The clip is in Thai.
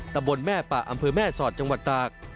ตำบลแม่ปะอำเภอแม่สอดจังหวัดตาก